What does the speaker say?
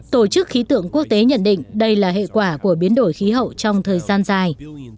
tổ chức khí tượng quốc tế nhận định đây là hệ quả của biến đổi khí hậu trong thời gian dài